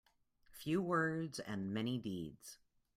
Few words and many deeds.